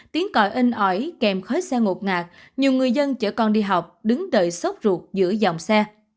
tiếng cõi inh ỏi kèm khói xe ngột ngạc nhiều người dân chở con đi học đứng đợi sốc ruột giữa dòng xe